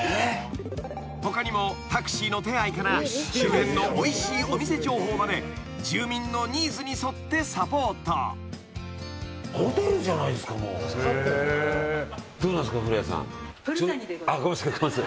［他にもタクシーの手配から周辺のおいしいお店情報まで住民のニーズに沿ってサポート］ごめんなさい。